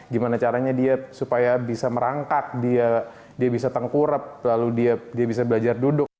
gimana caranya dia supaya bisa merangkak dia bisa tengkurep lalu dia bisa belajar duduk